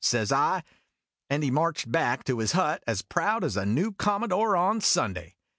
says I, and he marched back to his hut as proud as a new commodore on Sunday.